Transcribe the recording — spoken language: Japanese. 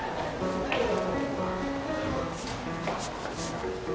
おはよう。